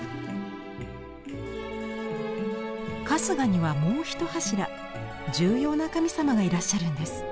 春日にはもう１柱重要な神様がいらっしゃるんです。